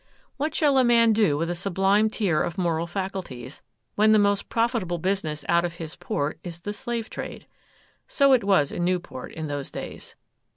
What shall a man do with a sublime tier of moral faculties, when the most profitable business out of his port is the slave trade? So it was in Newport in those days.